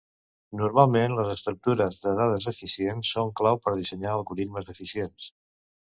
Normalment, les estructures de dades eficients són clau per dissenyar algoritmes eficients.